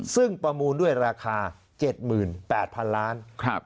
ซึ่งประมูลด้วยราคา๗๘๐๐๐ล้าน